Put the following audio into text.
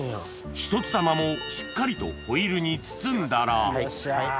一つ玉もしっかりとホイルに包んだらよっしゃ。